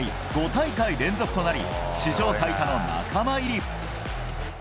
５大会連続となり、史上最多の仲間入り。